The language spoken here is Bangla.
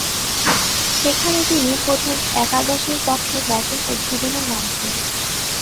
সেখানে তিনি প্রথম একাদশের পক্ষে ব্যাটিং উদ্বোধনে নামতেন।